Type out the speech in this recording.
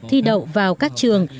thi đậu vào các trường